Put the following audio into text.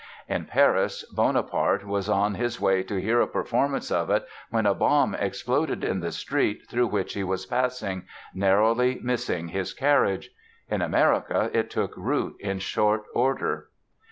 In Paris Bonaparte was on his way to hear a performance of it when a bomb exploded in the street through which he was passing, narrowly missing his carriage. In America it took root in short order.